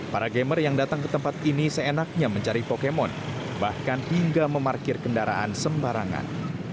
para gamer yang datang ke tempat ini seenaknya mencari pokemon bahkan hingga memarkir kendaraan sembarangan